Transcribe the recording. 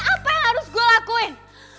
apa yang harus gue lakuin